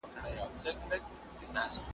نه له چا سره مو کار وي نه تهمت وي نه اغیار وي .